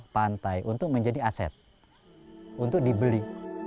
pantai untuk menjadi aset untuk dibeli